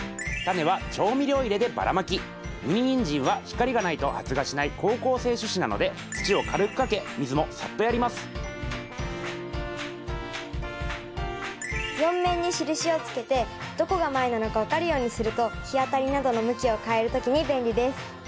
ミニニンジンは光がないと発芽しない好光性種子なので４面に印をつけてどこが前なのか分かるようにすると日当たりなどの向きを変える時に便利です。